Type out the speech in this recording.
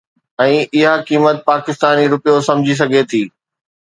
۽ اها قيمت پاڪستاني رپيو سمجهي سگهجي ٿي